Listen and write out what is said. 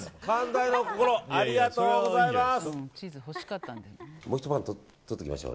寛大な心ありがとうございます！